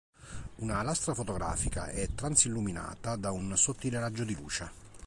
Una lastra fotografica è transilluminata da un sottile raggio di luce.